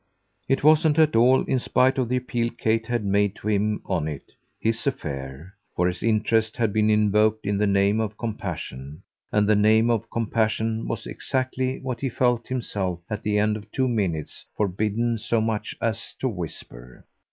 It wasn't at all, in spite of the appeal Kate had made to him on it, his affair; for his interest had been invoked in the name of compassion, and the name of compassion was exactly what he felt himself at the end of two minutes forbidden so much as to whisper.